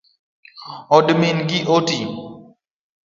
Od min gi otii